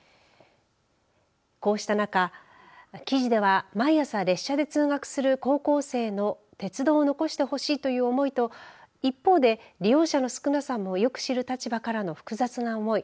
こうした中、記事では毎朝、列車で通学する高校生の鉄道を残してほしいという思いと一方で利用者の少なさをよく知る立場からの複雑な思い。